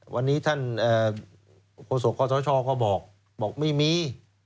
วันนี้ท่านโฆษกข้อสชก็บอกบอกไม่มี